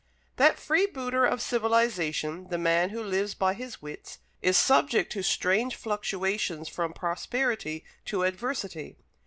That freebooter of civilization, the man who lives by his wits, is subject to strange fluctuations from prosperity to adversity.